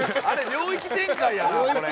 領域展開やなこれ。